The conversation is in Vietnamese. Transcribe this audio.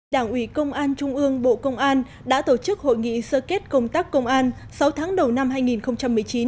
đảng ủy công an trung ương bộ công an đã tổ chức hội nghị sơ kết công tác công an sáu tháng đầu năm hai nghìn một mươi chín